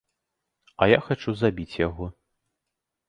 А я хачу забіць яго.